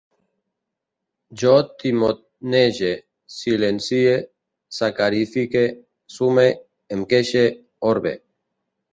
Jo timonege, silencie, sacarifique, sume, em queixe, orbe